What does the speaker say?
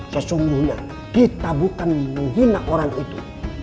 sesungguhnya kita bukan menghina orang itu